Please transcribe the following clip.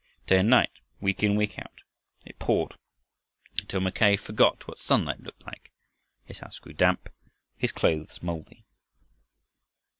Day and night, week in, week out, it poured, until Mackay forgot what sunlight looked like, his house grew damp, his clothes moldy.